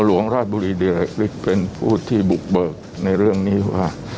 หลวงราชบุรีเดือดเป็นผู้ที่บุกเบิกในเรื่องนี้ว่า